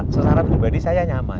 seserah bubadi saya nyaman